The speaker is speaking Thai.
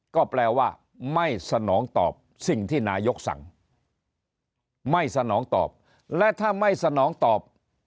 ก็แปลว่าไม่สนองตอบสิ่งที่นายกสั่งไม่สนองตอบและถ้าไม่สนองตอบ